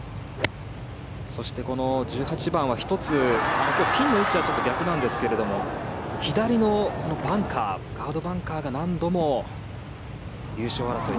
そして、１８番は１つピンの位置は今日、逆なんですけども左のこのバンカーガードバンカーが何度も優勝争い